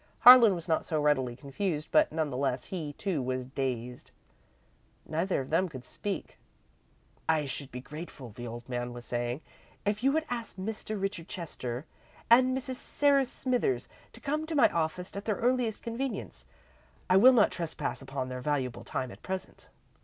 Harlan was not so readily confused, but none the less, he, too, was dazed. Neither of them could speak. "I should be grateful," the old man was saying, "if you would ask Mr. Richard Chester and Mrs. Sarah Smithers to come to my office at their earliest convenience. I will not trespass upon their valuable time at present."